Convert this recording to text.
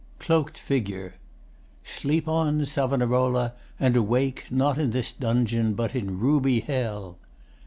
] CLOAKED FIGURE Sleep on, Savonarola, and awake Not in this dungeon but in ruby Hell!